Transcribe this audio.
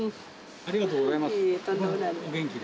ありがとうございます。